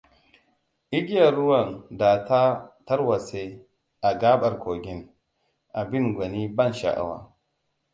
Igiyar ruwan da ta tarwatse a gaɓar kogin; abin gwani ban sha'awa.